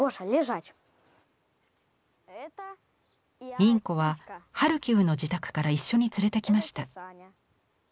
インコはハルキウの自宅から一緒に連れてきました。